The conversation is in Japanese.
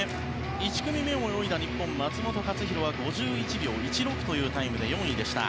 １組目を泳いだ日本、松元克央は５１秒１６というタイムで４位でした。